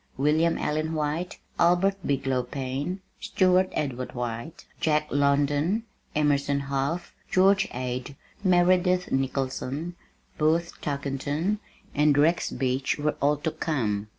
William Allen White, Albert Bigelow Payne, Stewart Edward White, Jack London, Emerson Hough, George Ade, Meredith Nicholson, Booth Tarkington, and Rex Beach were all to come.